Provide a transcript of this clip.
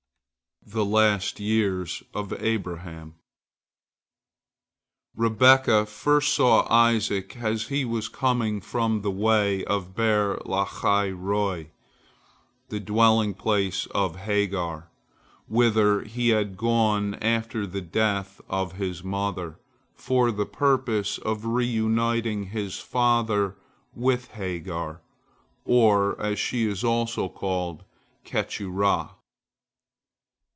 THE LAST YEARS OF ABRAHAM Rebekah first saw Isaac as he was coming from the way of Beer lahai roi, the dwelling place of Hagar, whither he had gone after the death of his mother, for the purpose of reuniting his father with Hagar, or, as she is also called, Keturah.